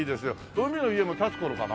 海の家も建つ頃かな？